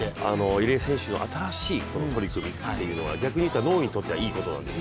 入江選手の新しい取り組みというのが逆に脳にとってはいいことなんです。